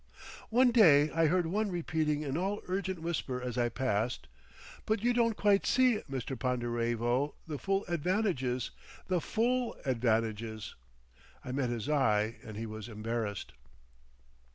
One day I heard one repeating in all urgent whisper as I passed "But you don't quite see, Mr. Ponderevo, the full advantages, the full advantages—" I met his eye and he was embarrassed.